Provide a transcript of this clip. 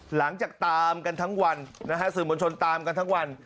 หลังจากตามกันทั้งวันนะฮะสื่อมวลชนตามกันทั้งวัน